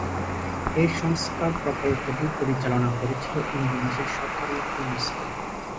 এই সংস্কার প্রকল্পটি পরিচালনা করেছিল ইন্দোনেশিয়া সরকার ও ইউনেস্কো।